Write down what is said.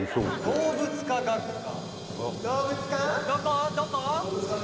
「動物科学科」